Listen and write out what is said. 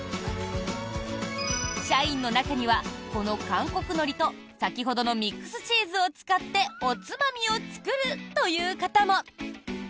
社員の中には、この韓国のりと先ほどのミックスチーズを使っておつまみを作るという方も。